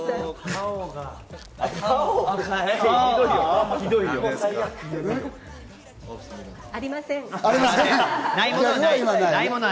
顔？ありません。